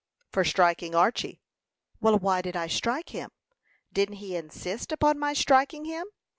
"For striking Archy." "Well, why did I strike him? Didn't he insist upon my striking him?